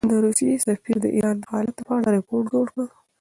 د روسیې سفیر د ایران د حالاتو په اړه رپوټ جوړ کړ.